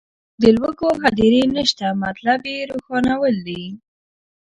د لوږو هدیرې نشته مطلب یې روښانول دي.